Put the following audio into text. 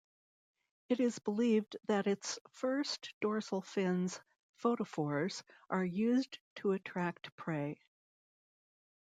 It is believed that its first dorsal fin's photophores are used to attract prey.